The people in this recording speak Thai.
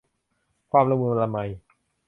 ความละมุนละไม